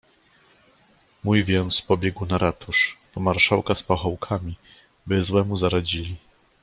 "Mój więc pobiegł na ratusz, po marszałka z pachołkami, by złemu zaradzili."